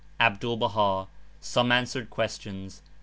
'^ (Abdul Baha.' "Some Answered Questions."